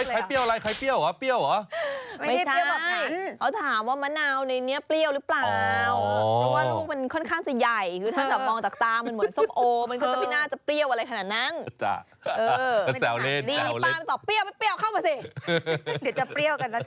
เฮ้ยใครเปรี้ยวอะไรใครเปรี้ยวเหรอเปรี้ยวเหรอ